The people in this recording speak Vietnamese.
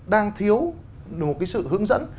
đang thiếu một cái sự hướng dẫn